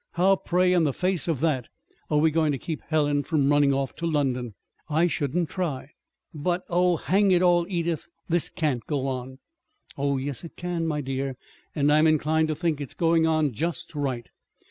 How, pray, in the face of that, are we going to keep Helen from running off to London?" "I shouldn't try." "But oh, hang it all, Edith! This can't go on." "Oh, yes, it can, my dear; and I'm inclined to think it's going on just right.